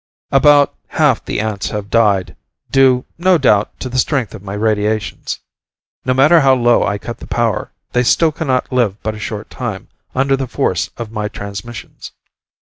About half the ants have died, due no doubt to the strength of my radiations. No matter how low I cut the power, they still cannot live but a short time under the force of my transmissions.